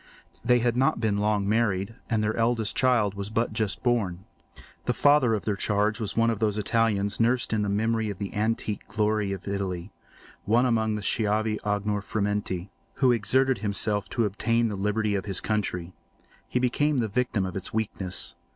They had not been long married, and their eldest child was but just born. The father of their charge was one of those Italians nursed in the memory of the antique glory of Italy—one among the schiavi ognor frementi, who exerted himself to obtain the liberty of his country. He became the victim of its weakness.